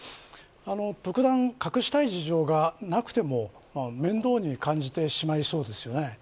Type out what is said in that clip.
特段、隠したい事情がなくても面倒に感じてしまいそうですよね。